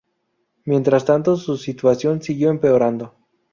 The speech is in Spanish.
Mientras tanto su situación siguió empeorando.